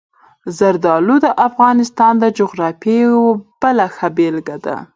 زردالو د افغانستان د جغرافیې یوه بله ښه بېلګه ده.